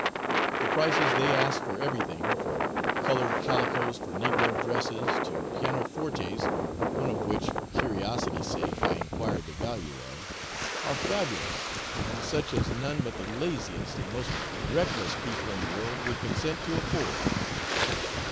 The prices they ask for everything, from coloured calicoes for negro dresses to pianofortes (one of which, for curiosity sake, I enquired the value of), are fabulous, and such as none but the laziest and most reckless people in the world would consent to afford.